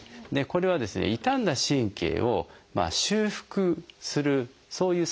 これはですね傷んだ神経を修復するそういう作用がありますね。